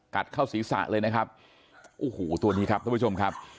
เข้าศีรษะเลยนะครับโอ้โหตัวนี้ครับทุกผู้ชมครับ